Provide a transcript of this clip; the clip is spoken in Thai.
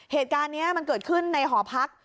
เหตุการณ์นี้มันเกิดขึ้นในหอพัก